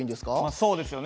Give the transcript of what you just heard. そうですよね。